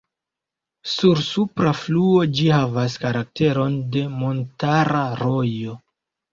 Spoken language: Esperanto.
Sur supra fluo ĝi havas karakteron de montara rojo.